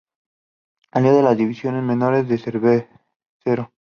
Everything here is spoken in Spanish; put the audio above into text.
Salió de las divisiones menores del cervecero.